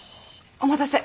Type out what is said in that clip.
お待たせ。